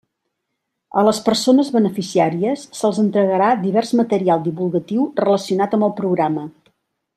A les persones beneficiàries se'ls entregarà divers material divulgatiu relacionat amb el programa.